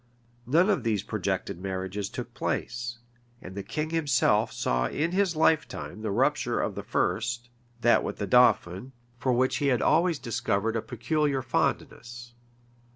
[*] None of these projected marriages took place; and the king himself saw in his lifetime the rupture of the first, that with the dauphin, for which he had always discovered a peculiar fondness.